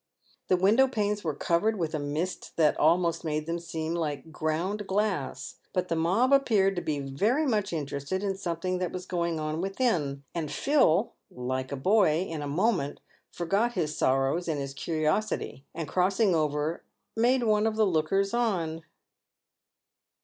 The window panes were covered with a mist that almost made them seem like ground glass ; but the mob appeared to be very much interested in something that was going on within, and Phil, like a boy, in a moment forgot his sorrows in his curiosity, and crossing over made one of the lookers on.